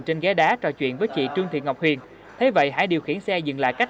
trên ghé đá trò chuyện với chị trương thị ngọc huyền thấy vậy hải điều khiển xe dừng lại cách